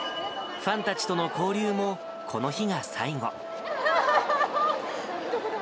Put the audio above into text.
ファンたちとの交流も、この日が最後。